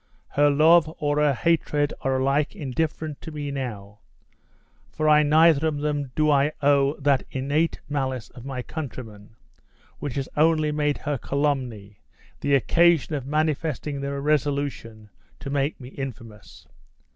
Her love or her hatred are alike indifferent to me now, for I neither of them do I owe that innate malice of my countrymen which has only made her calumny the occasion of manifesting their resolution to make me infamous.